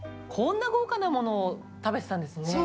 こんな豪華なものを食べてたんですね。